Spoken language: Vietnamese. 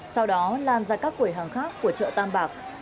sau đó lan ra các quầy hàng khác của chợ tam bạc